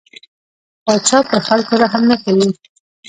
پاچا پر خلکو رحم نه کوي.